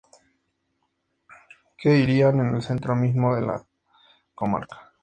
Que irían en el centro mismo de la comarca